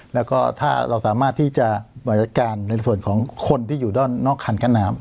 แล้วก็ถ้าเราสามารถที่จะบริการในส่วนของคนที่อยู่ด้านนอกคันกั้นน้ำ